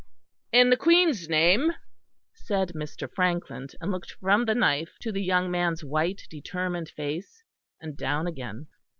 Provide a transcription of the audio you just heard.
"In the Queen's name," said Mr. Frankland, and looked from the knife to the young man's white determined face, and down again.